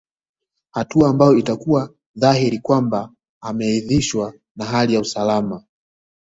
Hatua ambayo itakuwa dhahiri kwamba ameridhishwa na hali ya usalama